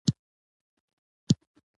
خلیفه په ځواب کې وویل: ولیان خو معجزې لري.